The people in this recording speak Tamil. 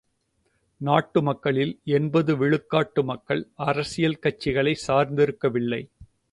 நாட்டு மக்களில் எண்பது விழுக்காட்டு மக்கள் அரசியல் கட்சிகளைக் சார்ந்திருக்கவில்லை.